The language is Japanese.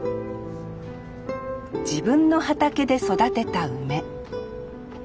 自分の畑で育てた梅。